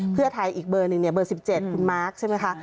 เพื่อไทยอีกเบอร์หนึ่งเนี่ยเบอร์๑๗คุณมาร์คใช่ไหมคะ